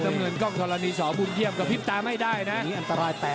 เงินกล้องธรณีสอบุญเยี่ยมกระพริบตาไม่ได้นะนี่อันตรายแตก